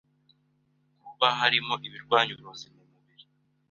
Kuba harimo ibirwanya uburozi mu mubiri